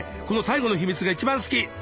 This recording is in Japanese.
この最後の秘密が一番好き！